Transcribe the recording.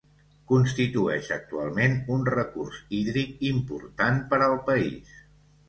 Constitueix actualment un recurs hídric important per al país.